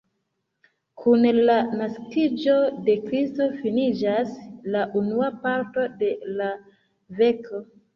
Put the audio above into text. Kun la naskiĝo de Kristo finiĝas la unua parto de la verko.